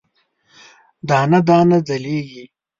دانه، دانه ځلیږې